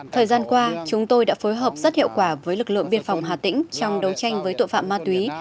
thời gian qua chúng tôi đã phối hợp rất hiệu quả với lực lượng biên phòng hà tĩnh trong đấu tranh với tội phạm ma túy